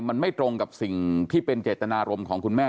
มันไม่ตรงกับสิ่งที่เป็นเจตนารมณ์ของคุณแม่